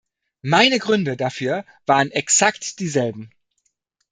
Meine Gründe dafür waren exakt dieselben.